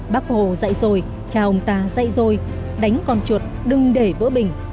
bác hồ dạy rồi cha ông ta dạy rồi đánh con chuột đừng để vỡ bình